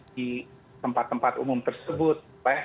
di tempat tempat umum tersebut